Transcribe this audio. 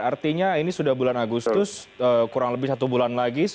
artinya ini sudah bulan agustus kurang lebih satu bulan lagi